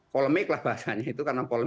polemik lah bahasanya itu karena polemik